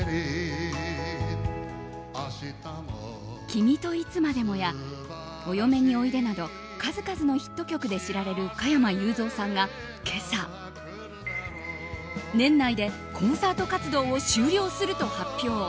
「君といつまでも」や「お嫁においで」など数々のヒット曲で知られる加山雄三さんが今朝年内でコンサート活動を終了すると発表。